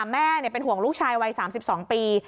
แม่เป็นห่วงลูกชายวัย๓๒ปี